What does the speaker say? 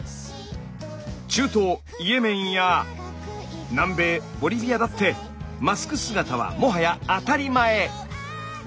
中東イエメンや南米ボリビアだってマスク姿はもはや当たり前。